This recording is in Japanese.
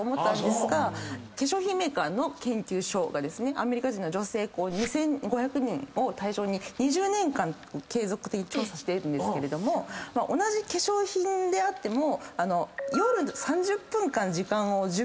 化粧品メーカーの研究所がアメリカ人の女性２，５００人を対象に２０年間継続で調査してるんですけれども同じ化粧品であっても。